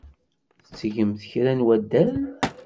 Tettgemt kra n waddal?